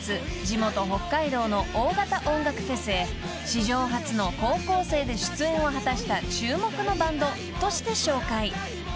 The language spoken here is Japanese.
地元北海道の大型音楽フェスへ史上初の高校生で出演を果たした注目のバンドとして紹介］